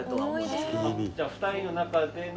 じゃあ２人の中での。